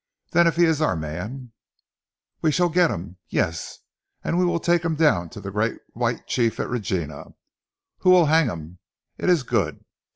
Then if he is our man " "We shall get him? Yes! And we will take him down to the Great White Chief at Regina, who will hang him. It is good.